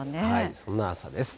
そんな朝です。